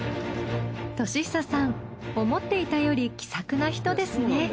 敏久さん思っていたより気さくな人ですね。